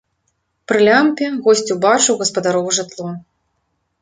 Пры лямпе госць убачыў гаспадарова жытло.